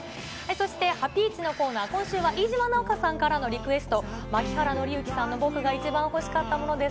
そしてハピイチのコーナー、今週は飯島直子さんからのリクエスト、槇原敬之さんの僕が一番欲しかったものです。